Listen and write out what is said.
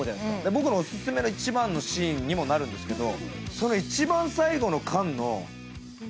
僕のオススメの一番のシーンにもなるんですけど。